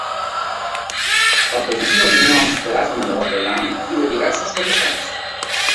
Afegí les opinions d'Erasme de Rotterdam i de diversos protestants.